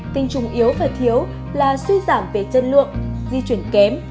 tinh trùng yếu và thiếu là suy giảm về chất lượng di chuyển kém